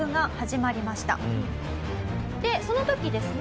でその時ですね